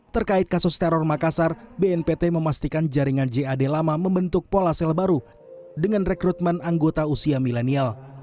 terkait kasus teror makassar bnpt memastikan jaringan jad lama membentuk pola sel baru dengan rekrutmen anggota usia milenial